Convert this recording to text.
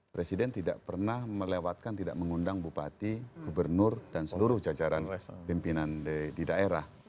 presiden tidak pernah melewatkan tidak mengundang bupati gubernur dan seluruh jajaran pimpinan di daerah